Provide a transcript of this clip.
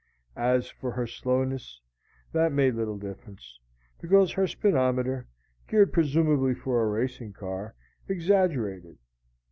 As for her slowness, that made little difference; because her speedometer, geared presumably for a racing car, exaggerated.